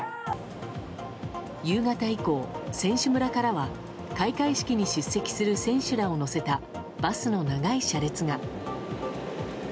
夕方以降、選手村からは開会式に出席する選手らを乗せたバスの長い車列が。